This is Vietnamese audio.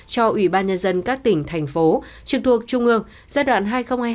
cho ủy ban nhân dân các tỉnh thành phố trực thuộc trung ương giai đoạn hai nghìn hai mươi hai hai nghìn hai mươi năm